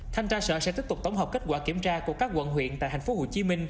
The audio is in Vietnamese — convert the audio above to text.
thanh tra sở sẽ tiếp tục tổng hợp kết quả kiểm tra của các quận huyện tại tp hcm